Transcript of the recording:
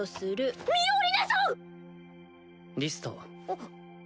あっ。